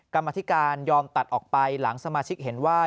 กรรมธิการยอมตัดออกไปหลังสมาชิกเห็นว่า